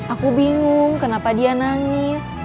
aku bingung kenapa dia nangis